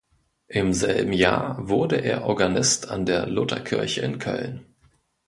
Im selben Jahr wurde er Organist an der Lutherkirche in Köln.